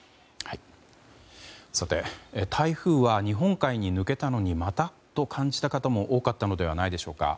さて、台風は日本海に抜けたのに、また？と感じた方も多かったのではないでしょうか。